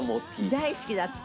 大好きだった。